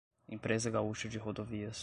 Empresa Gaúcha de Rodovias